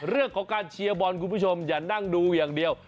เรื่องของการเชียร์บอลคุณผู้ชมอย่านั่งดูอย่างเดียว